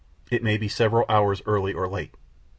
It may be several hours early or late.